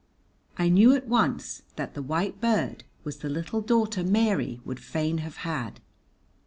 I knew at once that the white bird was the little daughter Mary would fain have had.